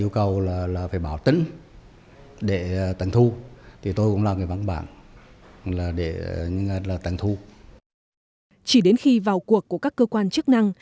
chỉ đến khi vào cuộc của các cơ quan chức năng